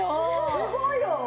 すごいよ！